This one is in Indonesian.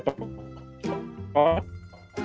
kok ya kalau gue